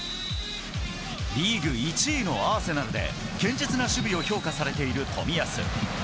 リーグ１位のアーセナルで堅実な守備を評価されている冨安。